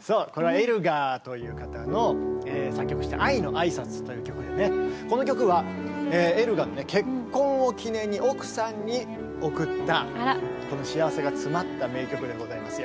そうこれはエルガーという方の作曲した「愛のあいさつ」という曲でねこの曲はエルガーの結婚を記念に奥さんに贈った幸せがつまった名曲でございますよ。